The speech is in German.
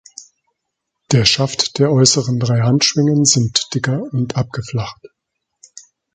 Der Schaft der äußeren drei Handschwingen sind dicker und abgeflacht.